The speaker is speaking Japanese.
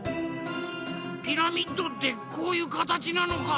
ピラミッドってこういうかたちなのか。